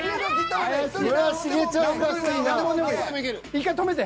１回止めて。